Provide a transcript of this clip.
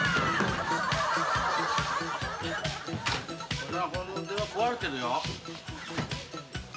この電話壊れてるよ。